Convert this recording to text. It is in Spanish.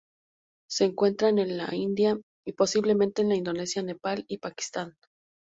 Se encuentra en la India, y posiblemente en Indonesia, Nepal y Pakistán.